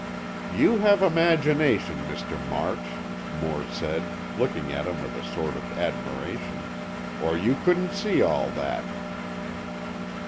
"You have imagination, Mr. March," Moore said, looking at him with a sort of admiration. "Or you couldn't see all that."